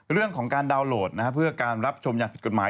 เรื่องของการดาวน์โหลดเพื่อการรับชมอย่างผิดกฎหมาย